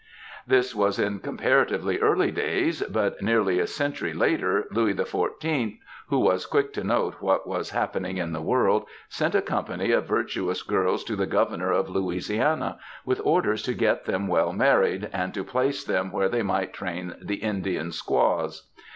This was in comparatively early days, but nearly a century later, Louis XIV, who was quick to note what was happening in the world, sent a company of virtuous girls to the governor of Louisiana with orders to get them well married, and to place them where they might train the Indian squaws.